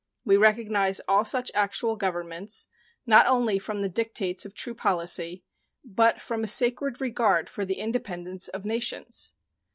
We recognize all such actual governments, not only from the dictates of true policy, but from a sacred regard for the independence of nations.